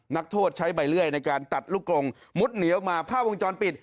นักโทษใช้ใบเลื่อยในการตัดลูกกลงมุดหนีออกมาภาพวงจรปิด